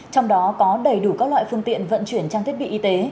trong đó có đầy đủ các loại phương tiện vận chuyển trang thiết bị y tế